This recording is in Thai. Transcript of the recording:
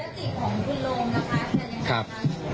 ยศติกของคุณโรมนะคะ